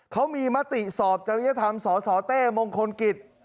เขามีมติสอบจริยธรรมสสเต้มงคลกิจ